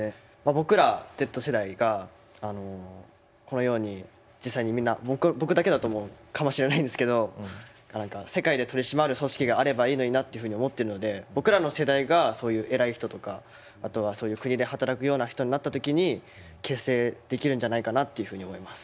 僕らＺ世代がこのように実際にみんな僕だけかもしれないんですけど何か世界で取り締まる組織があればいいのになっていうふうに思ってるので僕らの世代がそういう偉い人とかあとはそういう国で働くような人になった時に結成できるんじゃないかなっていうふうに思います。